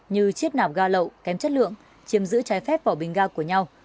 như chiết nạp ga lậu kém chất lượng chiếm giữ trái phép vỏ bình ga của nhau